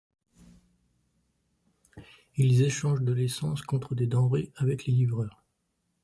Ils échangent de l'essence contre des denrées avec les livreurs.